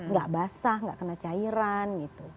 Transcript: tidak basah tidak kena cairan gitu